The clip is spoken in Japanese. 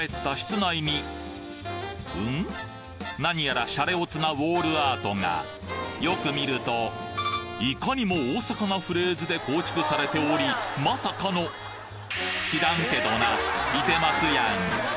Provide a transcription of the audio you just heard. なにやらシャレオツなウォールアートがよく見るといかにも大阪なフレーズで構築されておりまさかのいてますやん！